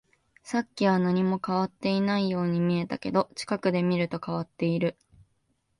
さっきは何も変わっていないように見えたけど、近くで見ると変わっている